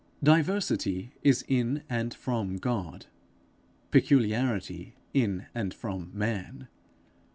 Diversity is in and from God; peculiarity in and from man.